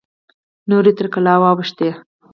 نورې تر کلا واوښتې.